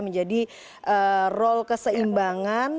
menjadi role keseimbangan